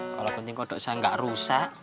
kalau penting kodok saya gak rusak